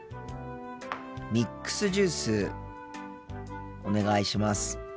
ミックスジュースお願いします。